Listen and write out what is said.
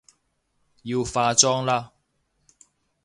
要化妝了